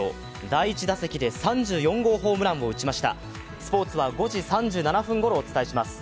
第１打席で３４号ホームランを打ちました。